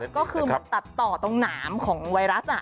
ก็คือเหมือนตัดต่อตรงหนามของไวรัส